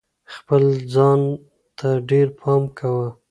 خپل ځان ته ډېر پام کوه.